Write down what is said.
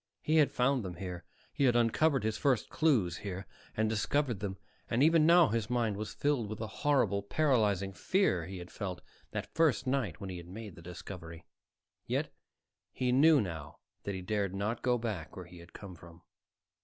He had found them here; he had uncovered his first clues here, and discovered them; and even now his mind was filled with the horrible, paralyzing fear he had felt that first night when he had made the discovery. Yet he knew now that he dared not go back where he had come from.